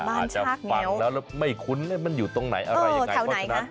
อาจจะฟังแล้วแล้วไม่คุ้นมันอยู่ตรงไหนอะไรที่ไหน